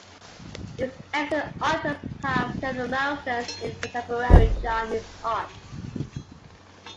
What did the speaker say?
These excellent art works have become the milestones in contemporary Chinese art.